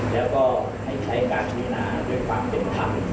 แล้วก็ให้ใช้การพินาด้วยความเป็นธรรม